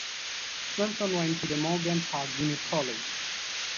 Swanson went to the Morgan Park Junior College.